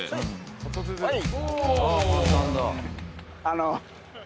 はい。